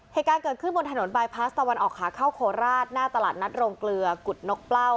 เหตุการณ์เกิดขึ้นบนถนนบายพลาสตะวันออกขาเข้าโคราชหน้าตลาดนัดโรงเกลือกุฎนกเปล้า